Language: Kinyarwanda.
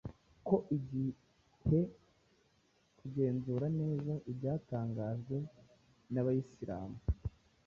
ko igihe kugenzura neza ibyatangajwe n’abayislam.